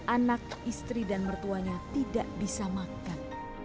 anak istri dan mertuanya tidak bisa makan